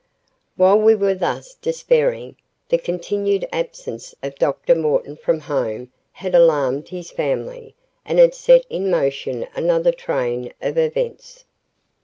........ While we were thus despairing, the continued absence of Dr. Morton from home had alarmed his family and had set in motion another train of events.